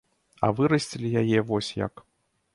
А вырасцілі яе вось як.